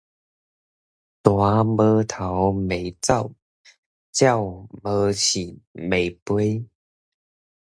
蛇無頭袂走，鳥無翼袂飛